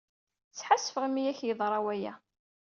Sḥassfeɣ imi ay ak-yeḍra waya.